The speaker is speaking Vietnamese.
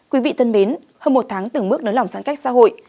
quý vị thân mến hơn một tháng từng mức nấn lỏng giãn cách xã hội